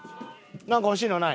なんか欲しいのない？